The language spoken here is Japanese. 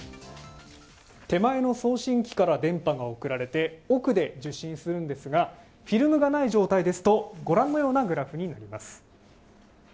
手前の送信機から電波が送られて奥で受信するんですが、フィルムがない状態ですとご覧のようになります。